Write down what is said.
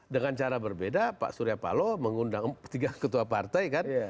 dengan cara berbeda pak surya paloh mengundang tiga ketua partai kan